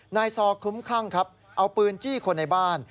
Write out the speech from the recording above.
นายซอคลุ้มคลั่งครับเอาปืนจี้คนในบ้าน